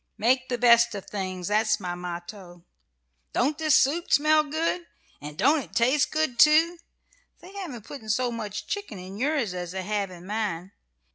Make the best of things, that's my motto. Don't this soup smell good? And don't it taste good, too? They haven't put so much chicken in yours as they have in mine.